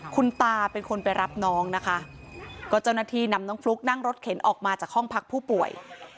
คุณตาเป็นคนไปรับน้องนะคะก็เจ้าหน้าที่นำน้องฟลุ๊กนั่งรถเข็นออกมาจากห้องพักผู้ป่วย